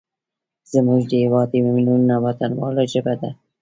زموږ د هیواد میلیونونو وطنوالو ژبه ده.